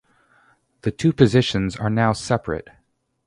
The two positions are now separate.